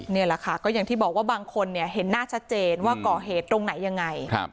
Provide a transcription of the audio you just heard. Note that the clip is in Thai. นี่แหละค่ะก็อย่างที่บอกว่าบางคนเนี่ยเห็นหน้าชัดเจนว่าก่อเหตุตรงไหนยังไง